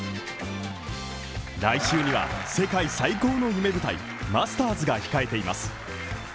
来週には世界最高の夢舞台マスターズが控えています。